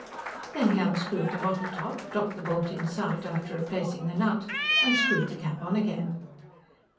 Then he unscrewed the bottle top, dropped the bolt inside after replacing the nut and screwed the cap on again.